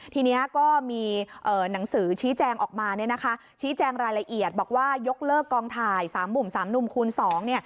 ทีนี้ก็มีหนังสือชี้แจงออกมาชี้แจงรายละเอียดบอกว่ายกเลิกกองถ่าย๓หนุ่ม๓มุมคูณ๒